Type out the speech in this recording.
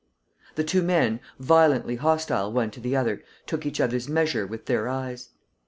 The two men, violently hostile one to the other, took each other's measure with their eyes.